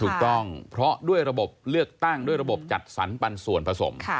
ถูกต้องเพราะด้วยระบบเลือกตั้งด้วยระบบจัดสรรปันส่วนผสม